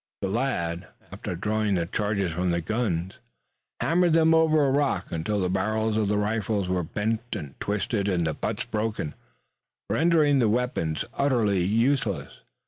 The lad, after drawing the charges from the guns, hammered them over a rock until the barrels of the rifles were bent and twisted and the butts broken, rendering the weapons utterly useless.